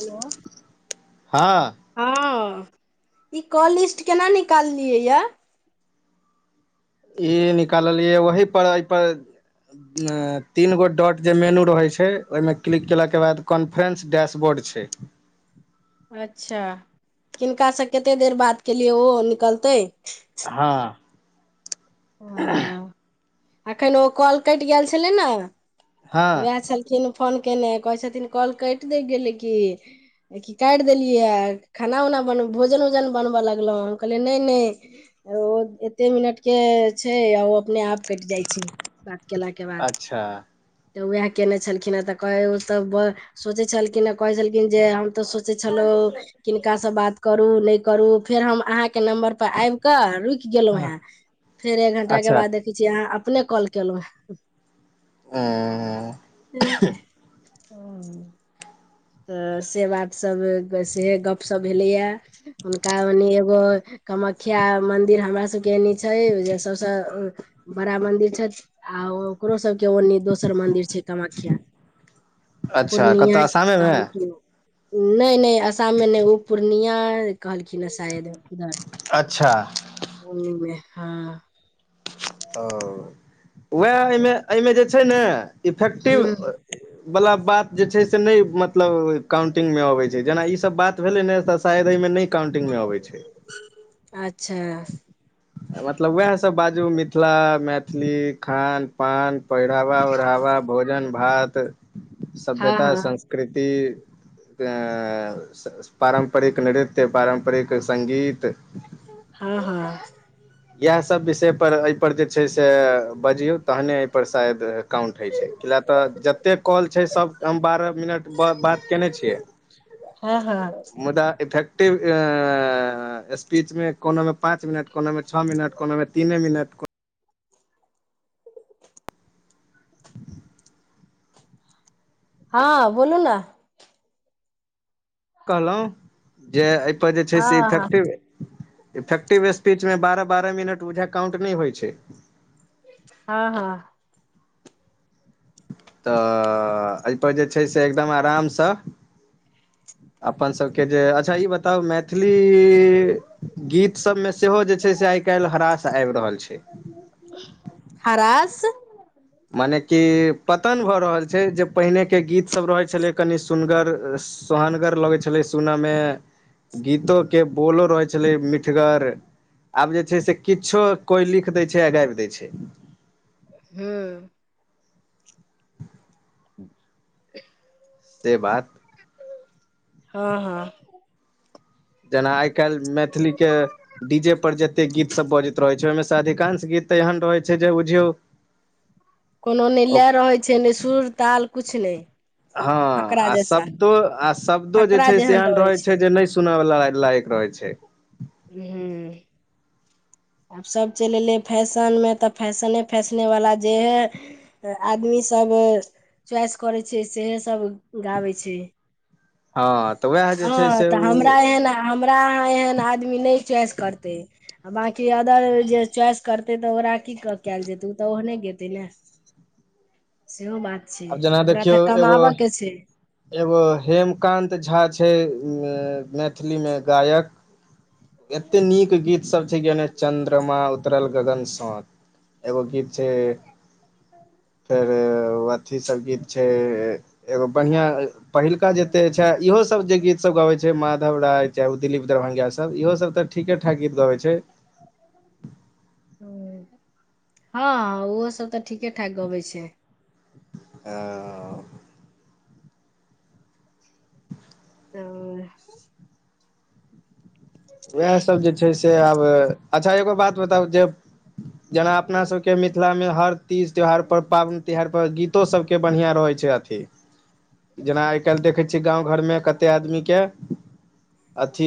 होलौ हँ हँ ई कॉल लिस्ट केना निकाललियै यए ई निकाललियै ओहीपर एहिपर तीन गो डॉट जे मेनू रहे छै ओहिमे क्लिक केला के बाद कन फ्रेन्स डैशबोर्ड छै अच्छा किनकासँ कते देर बाद केलियै ओ निकलतै हँ [unintelligible] ह एखन ओ कल कटि गेल छलै ने हँ उएह छलखिन फोन केयने कहै छथिन कॉल कइट न गेलै की ई की काइट देलियै खाना उना बन भोजन उजन बनबय लगलो हम कहलियै नय नय ओ एते मिनट के छै ओ अपने आप कइट जाइ छै बात केला के बाद अच्छा तऽ उएह कयने छलखिनेँ तऽ कह ओसभ सोचै छलखिन हे कहै छलखिन जे हम तऽ सोचै छलो किनकासँ बात करू नय करू फेर हम अहाँके नम्बर पर आबिकऽ रुक गेलु हँ हें फेर एक घंटा के अच्छा बाद देखै छियै अहाँ अपने कॉल केलो हें [unintelligible] [inaudible] तऽ से बातसभ से गपशप भेलैए हुनका मनि एगो कामाख्या मन्दिर हमरा सभके एने छैए जे सभसँ बड़ा मंदिर छै आ ओकरो सबके ओन्नी दोसर मंदिर छै कामख्या अच्छा कतऽ आसामे मे नय नय आसाममे नय ओ पूर्णिया कहलखिन ह शायद इधर अच्छा उमें हँ ओ उएह एहिमे एहिमे जे छै ने इफेक्टिव ह वला बात जे छै से नय मतलब काउंटिंग मे अबै छै जेना ई सब बात भेलै ने तऽ शायद एहि मे नय काउंटिंग मे अबै छै अच्छा मतलब उएहसभ बाजू मिथिला मैथिली खान पान पहिरावा ओढ़ावा भोजन भात हँ सभ्यता हँ संस्कृति अ पारम्परिक नृत्य पारम्परिक संगीत हँ हँ इएहसभ विषयपर ऐे पर जे छै से बजियौ तहने ऐ पर शायद काउंट होइ छै कि लए तऽ जतेक कॉल छै सब हम बारह मिनट बात केयने छियै हँ हँ मुद्दा इफेक्टिव स्पीच मे कोनो मे पाँच मिनट कोनो मे छओ मिनट कोनो मे तीने मिनट को हँ बोलू ने कहलो जे एहिपर जे छै हँ से हँ इफेक्टिव इफेक्टिव स्पीच मे बारह बारह मिनट बुझा काउंट नइ होइ छै हँ हँ तऽ एहिपर जे छै से एकदम आरामसँ [unintelligible] अपन सभ केँ जे अच्छा ई बताउ मैथिली गीतसभमे सेहो जे छै से आइ काइल हरास आइब रहल छै। [inaudible] हरास मने कि पतन भऽ रहल छै जे पहिने केँ गीतसभ रहैत छलै कनि सुगर सोहनगर लगैत छलै सुन मे गीतो केँ बोलो रहै छलै मिठगर आब जे छै से किछो कोइ लिख दै छै आ गाइब दै छै। हू [unintelligible] से बात [inaudible] हँ हँ जेना आइ काइल मैथिली केँ डी जेे पर जतेक गीत सब बजैत रहै छै ओइमे से अधिकांश गीत तऽ एहन रहैत छै जे बुझियौ कोनो नै लैए रहै छै नै सुर ताल किछ नै हँ आ शब्दो आ शब्दो जे फकरा छै से जेहन एहन रहै रहैत छै जे नै सुन वला लायक रहै छै [unintelligible] आब सभ चैल ऐलै फैशनमे तऽ फैशने फैशनेवला जे हइ आदमी सब च्वाइस करै छै से है सब गाबै छै हँ तऽ उएह जे छै हँ से तऽ ओ हमरा एहन हमरा अहाँ एहन आदमी नै च्वाइस करतै आ बकी अदर जे च्वाइस करतै तऽ ओकरा की कयल जेतै ओ तऽ ओहने गेतै ने सेहो बात छै आब जेना ओकरा देखियौ तऽ एगो कमाबय कऽ छै एगो हेमकान्त झा छै मैथिली में गायक एते नीक गीत सब छै गोने चंद्रमा तरल गगन स [inaudible] एगो गीत छै [unintelligible] फेर अथी सब गीत छै एगो बढ़िआँ पहिलका जतेक छै इहोसभ जे गीतसभ गबैत छै माधव राय चाहे ओ दिलीप दरभंगिया सब इहो सब तऽ ठीके ठाक गीत गबै छै [unintelligible] ह [inaudible] हँ ओहो सब तऽ ठीके ठाक गबै छै [unintelligible] [unintelligible] उएह सब जे छै से आब अच्छा एगो बात बताउ जेब [inaudible] जेना अपना सब केँ मिथिलामे हर तीज त्यौहार पर पाबैन तिहार पर गीत सब के बढ़िया रहै छै अथी [inaudible] जेना आइ काल देखै थी गाँव घर मे कते आदमी केँ [inaudible] अथ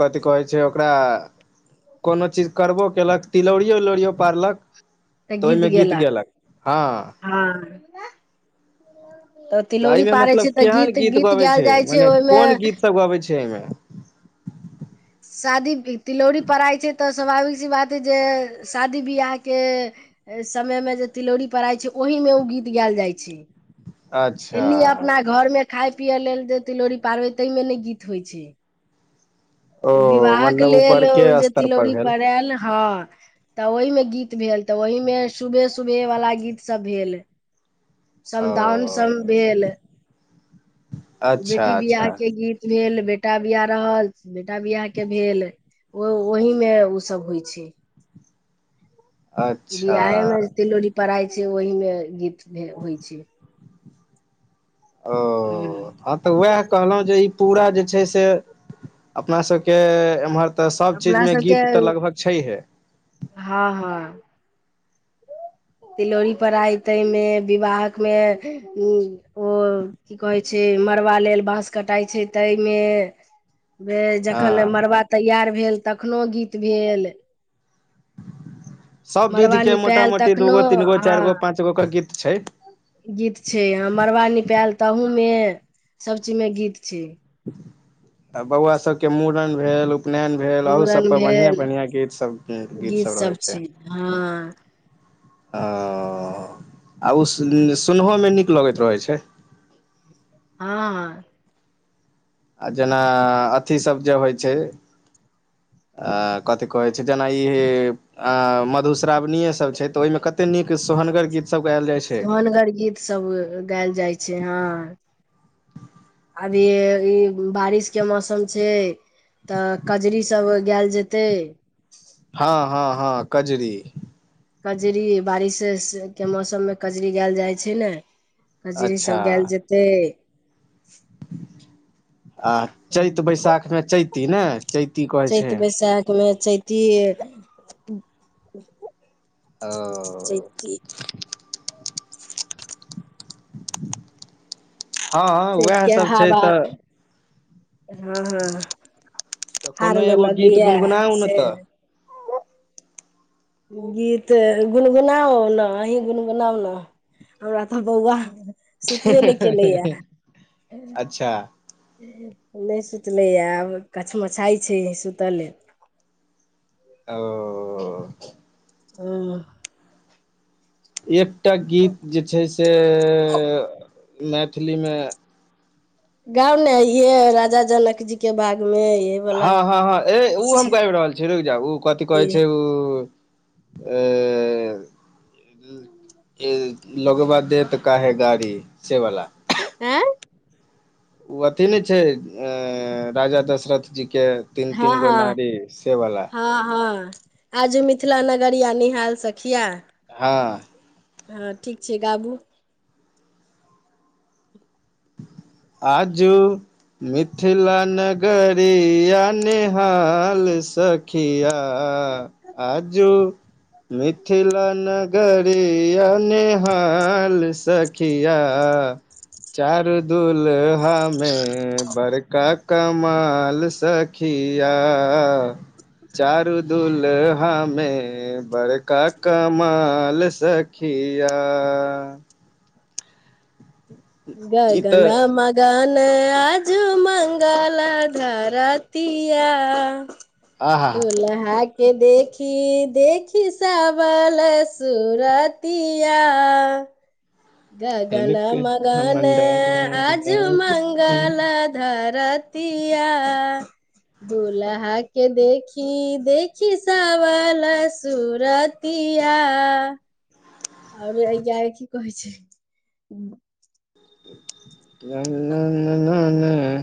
कथि कह छै ओकरा [inaudible] कोनो चीज करबो केलक तिलौरियो उिलौरियो पारलक तऽ ओइमें गीत गेलक हँ हँ [unintelligible] तऽ तिलौरी एहिमे पारै मतलब छै तऽ केहन गीत गीत गबै गायल जाइ छै मने ओइमे कोन गीत सब गबै छै एहिमे शादी तिलौरी पड़ाय छै तऽ स्वाभाविक सी बात हेय जे शादी ब्याहके समयमे जे तिलौरी पराय छै ओहिमे ओ गीत गायल जाइ छै अच्छा एने अपना घर में खााय पिये लेल जे तिलोड़ी पारवे ता मे ने गीत होइ छै ओ विवाहके मतलब उ लेल बड़के जे स्तर तिलौरी भेल पर आयल हँ तऽ ओहिमे गीत भेल तऽ ओहमे सुभे सुभेवला गीतसभ भेल ओ समदाउन सब भेल अच्छा बेटी बिआाह अच्छा के गीत भेल बेटा बिआाह रहल बेटा बिआाह के भेल। ओ ओहि मे उ सब होइ छै अच्छा बियाहे मे तिलोरी पराय छै ओहिमे गीत होइ छै हूँ ओ हात तऽ वएह कहलहुँ जे ई पूरा जे छै से अपना सबके एमहर तऽ सब अपना चीजमे सबके गीत तऽ लगभग छैहिये हँ हँ तिलोरी परइ तेमे विवाह मे ओ कहेछै मड़बा लेल बाँस कटाइ छै तैयमे हं जखन हँ मड़बा तैयार भेल तखनो गीत भेल सब विध मड़बा के मोटा निपायल मोटी दू तखनो गो तीन गो चारि गो हँ पांच गो के गीत छै गीत छै ह मड़बा निपायल तहू मे सब चीज मे गीत छै आ बौआ सबके मुड़न भेल उपनयन भेल अहू सब मूड़न पर बढ़िआँ भेल बढ़िआँ गीत सब गीत सब रहे छै। ओ आ ओ सुनहोमे निक लगैत रहै छै हँ आ जेना अथि सभ जे होइ छै आ कथी कह छै जेना ई [inaudible] अ मधुश्रावणीय सब छै तऽ ओहिमे कते नीक सोहनगर गीत सब गायल जाइ छै होनगर गीतसभ गायल जाइ छै ह अभी ई बारिश के मौसम छै तऽ कजरी सब गायल जेते हँ हँ हँ कजरी कजरी बारिशश मौसममे कजरी गायल जाइ छै ने खजरी अच्छा सब गायल जेते आ चैत बैसाख मे चैती ने चैती क चैत बैसाखमे चेती अअ चैती हँ उएह चैतक सब छै हाबा तऽ हँ हँ तऽ कोनो हार मे एगो गीत लगैया गुनगुनाउ ने से गीत गुनगुनाउ ने अही गुनगुनाउ ने हमरा तऽ बौआ सुतबे ने केले या तऽ अच्छा नहि सुतलैए आब कछमछाइ छै सुतय लेल ओ ओ हँ एकटा गीत जे छै से मैथिलीमे गाँव ने ये राजा जनक जी के भाग में ये वाला हँ- हँ -हँ ए किछ ओ हम छै गाबि रहल छी रुकि जा ओ कथी कि कहै छै ओ आय लोगबा दे त कााहे गाड़ी से बाला हँ ओ अथी नहि छै राजा दशरथजीके तीन हँ तीन गो हँ नारी सेवला हँ हँ आजु मिथिला नगर या निहाल सखिआ हँ हँ ठीक छै गाबू आज मिथिल ने गरिया निहाल सखिया आ आ जु मिथिला नगरीिया नेहाल सखिया चारू दुूलहामे बड़का कमाल सखि खिया चारू दुलहमे बड़का कमाल सखिया ग ई ग तऽ न म गान आजू मंगल धरतििया आहा अूल के देखी देखी संबल सुरतिया गगन मगन आजु मङ्गलत धरतिया दुूल्हा के देखी देखि ससांबलसूरतीया तिया आओर अया की कहै छै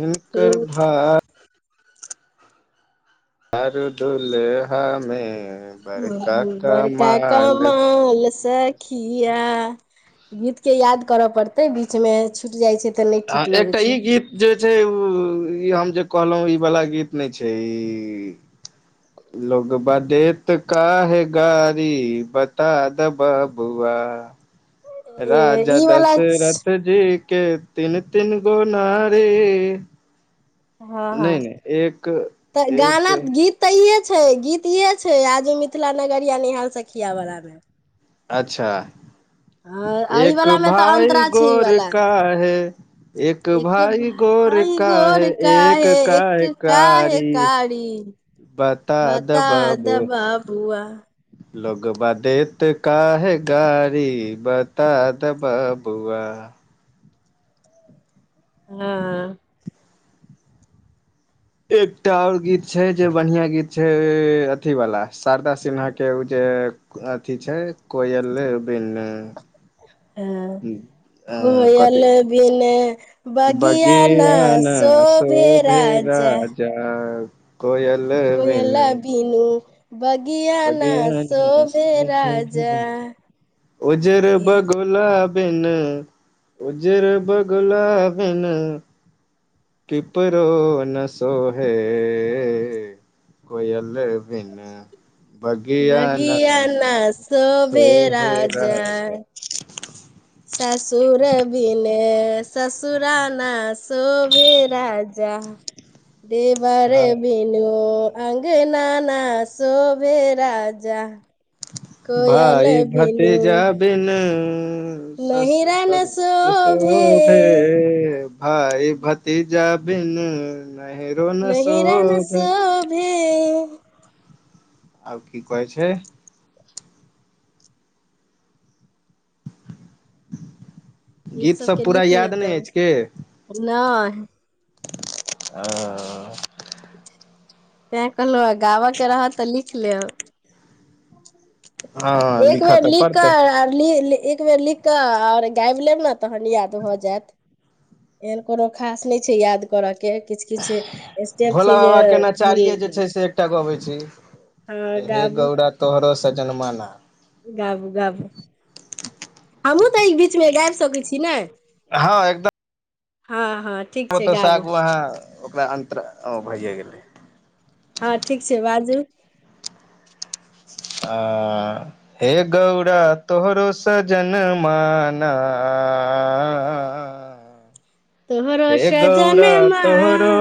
हिनकर भाय अर दुलहमे ब रकाकमाल सखिया खिया सखी गीत के याद करऽ पड़ते मछूटि जाइ छै तऽ नहि आ ठीक एकटा लगे ई छै गीत जे छै ओ ई हम जे कहलहुँ ई वला गीत नहि छै ई [unintelligible] लोगबा देते काहे गारी बता दऽ बबुआ राजा ई वाला दशरथ जी के तीन तीन गो नारी हँ हँ नहि नहि एक तऽ गान एक गीत तऽ इे छै गीत इे छै आज मिथिला नगर या निहाय सखिया बलाा मे अच्छा आ एहि एक वाला मे तऽ भइ अन्तरा छै ई गोर वाला काहे एक भााय गोर भाइ काहे गोर एक काहे किए एक काहे कारी कारी बता द द बाबु बबुआ लोगबा देैत काहे गारी बता दऽ बबुआ हँ एकटा आओर गीत छै जे बढ़िआँ गीत छै अथीवला शारदा सिन्हाके ओ जे अथी छै कोयल बिन [unintelligible] कोयल कथी बिन बगिया न शो भे राजा तऽ कोयल बिन कोइल बीनू बगियााना बगिया न शोभे शोभे राजा ुबगुलाला बिनु उजर बगुला बिनु किपरो न सोहै कोयल बिनु बगिया न बगियाना शोभे सोहे राजा राज ससुर बिनु ससुरा न शोभे राजा देव रे भारो भनू अ बिन के ना शोभे राजा कोयल बिनु भाईभतिजाबिनु सस नहिरा न ससुरो ने शोभे भााय भतीजाबिन नहि न हिरा न सोभे आब की कहै छै गीत सब सबके पूरा लिख याद नहि लेतब अछि कि नहि ह तैं कहलहु आ गाबय के रहत तऽ लिख लेब हँ एक लिखऽ बेर तऽ लिख पड़तै कऽ लि एक बेर लिख आओर गाबि लेब ने तहन याद भ जायत एहन कोनो खास नहि छै याद करऽ के किछु किछ स्टेप भोला छै जे बाबा के भूल नचारिये जे ग छै से एकटा गबै छी ह हे ग गौड़ा तोहरो स जनमाना गाबू गाबू हमहहुँ तऽ एहि बीचमे गाबि सकैत छी ने हँ एकदम हँ हँ ठीक आ छै ओतऽसँ गाबू आगू अहाँ ओकरा अन्तत्र भैए गेलै हँ ठीक छै बाजू आ हे गौरा तोहरो सजन मान तोहरो हे गौड़ा सजनमा तोहरो